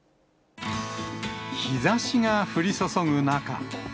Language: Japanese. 日ざしが降り注ぐ中。